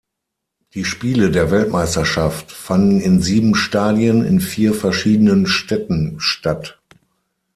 Die Spiele der Weltmeisterschaft fanden in sieben Stadien in vier verschiedenen Städten statt.